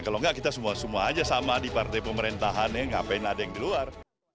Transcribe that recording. kalau enggak kita semua semua aja sama di partai pemerintahannya ngapain ada yang di luar